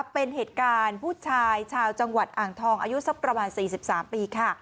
เป็นเหตุการณ์ผู้ชายชาวจังหวัดอ่างทองอายุสักประมาณ๔๓ปีค่ะ